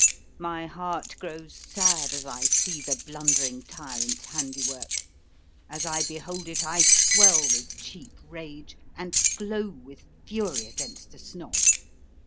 My heart grows sad as I see the blundering tyrant's handiwork. As I behold it I swell with cheap rage, and glow with fury against the Snob.